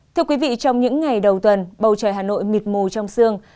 thưa quý vị trong những ngày đầu tuần bầu trời hà nội mịt mù trong sương